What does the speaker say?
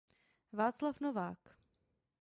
Václav Novák.